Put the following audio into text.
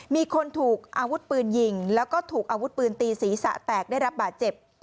มีคนถูกอาวุธปืนยิงแล้วก็ถูกอาวุธปืนตีศีรษะแตกได้รับบาดเจ็บ